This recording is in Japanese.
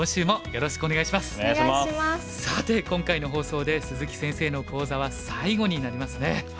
さて今回の放送で鈴木先生の講座は最後になりますね。